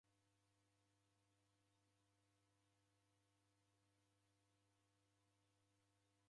Nineke wughanga ghwa chongo.